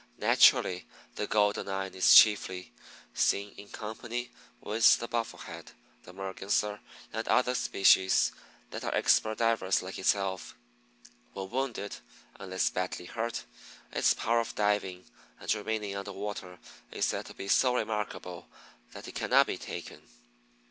Naturally the Golden eye is chiefly seen in company with the Buffle head, the Merganser, and other species that are expert divers like itself. When wounded, unless badly hurt, its power of diving and remaining under water is said to be so remarkable that it cannot be taken.